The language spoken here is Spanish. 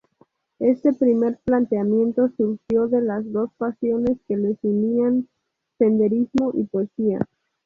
Este primer planteamiento surgió de las dos pasiones que les unían: senderismo y poesía.